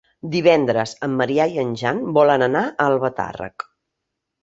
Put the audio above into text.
Divendres en Maria i en Jan volen anar a Albatàrrec.